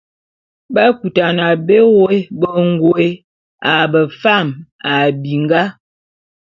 B'akutane n'a bé woé bengôé a befam a binga.